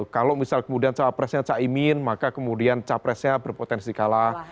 kalau misalnya capresnya caimin maka kemudian capresnya berpotensi kalah